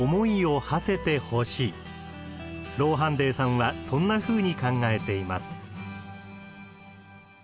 ローハンデーさんはそんなふうに考えています。